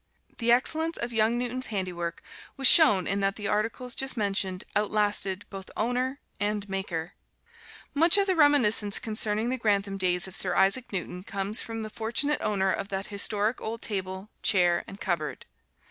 The excellence of young Newton's handiwork was shown in that the articles just mentioned outlasted both owner and maker. Much of the reminiscence concerning the Grantham days of Sir Isaac Newton comes from the fortunate owner of that historic old table, chair and cupboard.